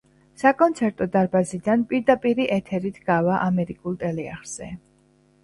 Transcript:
საკონცერტო დარბაზიდან პირდაპირი ეთერით გავა ამერიკულ ტელეარხზე.